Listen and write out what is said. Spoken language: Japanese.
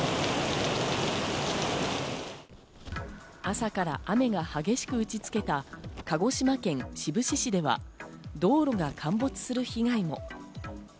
朝から雨が激しく打ち付けた鹿児島県志布志市では道路が陥没する被害も。